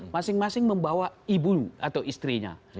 masing masing membawa ibu atau istrinya